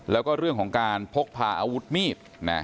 แล้วก็เรื่องของการพกพาอาวุธมีด